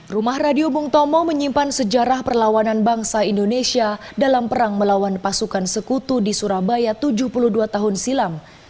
rumah radio bung tomo menyimpan sejarah perlawanan bangsa indonesia dalam perang melawan pasukan sekutu di surabaya tujuh puluh dua tahun silam